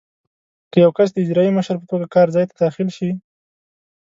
که یو کس د اجرایي مشر په توګه کار ځای ته داخل شي.